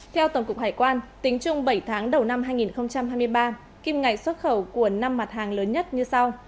theo tổng cục hải quan tính chung bảy tháng đầu năm hai nghìn hai mươi ba kim ngạch xuất khẩu của năm mặt hàng lớn nhất như sau